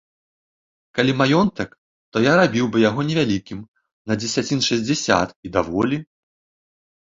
Калі маёнтак, то я рабіў бы яго невялікім, на дзесяцін шэсцьдзесят, і даволі.